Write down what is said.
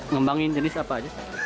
ngembangin jenis apa aja